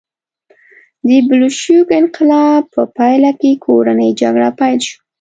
د بلشویک انقلاب په پایله کې کورنۍ جګړه پیل شوه